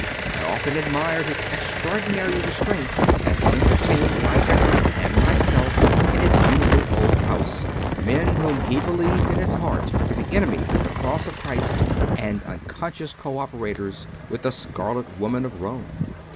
I often admired his extraordinary restraint as he entertained my vicar and myself in his beautiful old house men whom he believed in his heart to be enemies of the Cross of Christ and unconscious co operators with the Scarlet Woman of Rome.